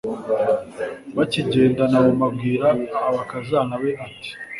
bakigenda nawomi abwira abakazana be, ati